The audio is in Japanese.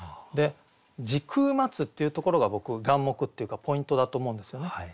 「時空待つ」っていうところが僕眼目っていうかポイントだと思うんですよね。